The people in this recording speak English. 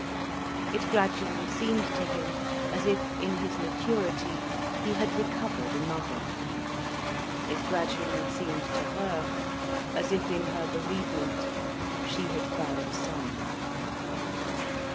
It gradually seemed to him as if in his maturity he had recovered a mother; it gradually seemed to her as if in her bereavement she had found a son.